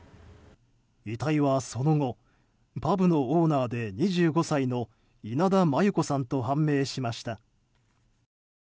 遺体はその後パブのオーナーで２５歳の稲田真優子さんと判明しました。